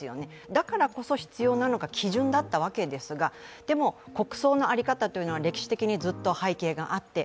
だからこそ必要なのが基準だったわけですがでも国葬の在り方というのは歴史的にずっと背景があって。